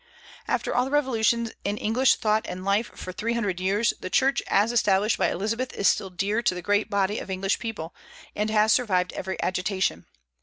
After all the revolutions in English thought and life for three hundred years, the Church as established by Elizabeth is still dear to the great body of English people, and has survived every agitation.